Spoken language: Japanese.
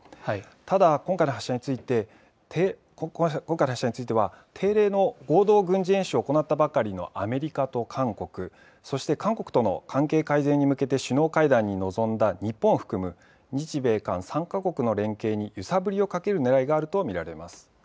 ただ今回の発射について定例の合同軍事演習を行ったばかりのアメリカと韓国、そして韓国との関係改善に向けて首脳会談に臨んだ日本を含む日米韓３か国の連携に揺さぶりをかけるねらいがあると見られます。